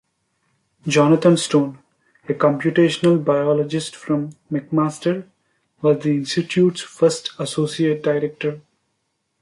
Jonathon Stone, a computational biologist from McMaster, was the institute's first associate director.